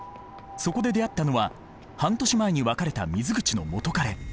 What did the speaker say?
そこで出会ったのは半年前に別れた水口の元カレ。